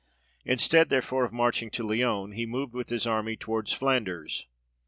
Instead therefore of marching to Lyons, he moved with his army towards Flanders.